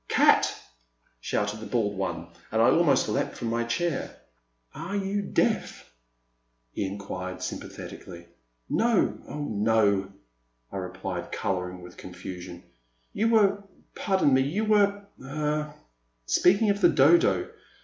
'' Cat !*' shouted the bald one, and I almost leaped from my chair. *' Are you deaf? " he in quired, S3rmpathetically. No — oh no !" I replied, colouring with con ftision ;" you were — pardon me — ^you were — er — speaking of the Dodo.